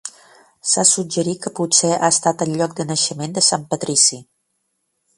S'ha suggerit que potser ha estat el lloc de naixement de Sant Patrici.